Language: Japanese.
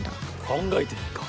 考えてみっか。